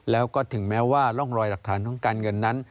แล้วก็ถึงแม้ว่าร่องรอยหลักฐานของการเงินนั้น